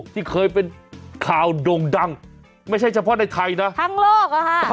ที่เคยเป็นข่าวโด่งดังไม่ใช่เฉพาะในไทยนะทั้งโลกอะค่ะ